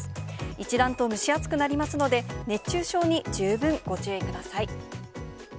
一段と蒸し暑くなりますので、熱中症に十分ご注意ください。